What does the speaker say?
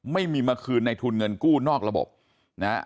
ไม่มีมาคืนในทุนเงินกู้นอกระบบนะฮะ